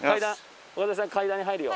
岡副さん階段に入るよ。